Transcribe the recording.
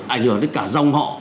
ảnh hưởng đến cả dòng họ